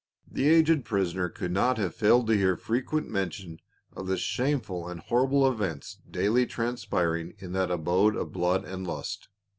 the aged prisoner could not have failed to hear fre quent mention of the shameful and horrible events daily transpiring in that abode of blood and lust.